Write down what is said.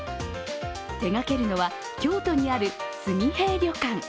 手がけるのは京都にある炭平旅館。